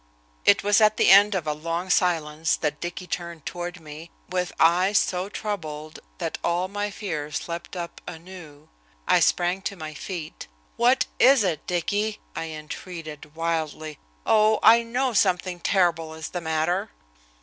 It was at the end of a long silence that Dicky turned toward me, with eyes so troubled that all my fears leaped up anew. I sprang to my feet. "What is it, Dicky?" I entreated, wildly. "Oh! I know something terrible is the matter!"